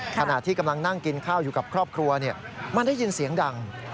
ขณะที่กำลังนั่งกินข้าวอยู่กับครอบครัวมันได้ยินเสียงดัง